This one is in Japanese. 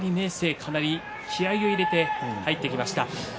かなり気合いを入れて入ってきました。